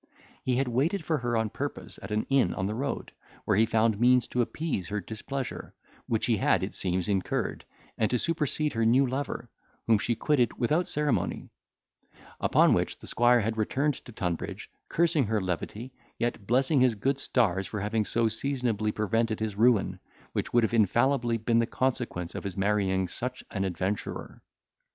He had waited for her on purpose at an inn on the road, where he found means to appease her displeasure, which he had, it seems, incurred, and to supersede her new lover, whom she quitted without ceremony; upon which the squire had returned to Tunbridge, cursing her levity, yet blessing his good stars for having so seasonably prevented his ruin, which would have infallibly been the consequence of his marrying such an adventurer.